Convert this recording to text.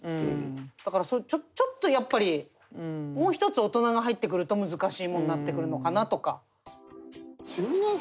だからちょっとやっぱりもう一つ大人が入ってくると難しいものになってくるのかなとか。